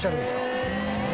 へえ。